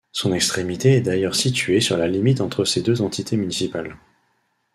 Son extrémité est d'ailleurs situé sur la limite entre ces deux entités municipales.